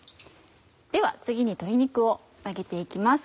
では次に鶏肉を揚げて行きます。